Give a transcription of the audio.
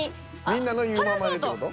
みんなの言うままにって事？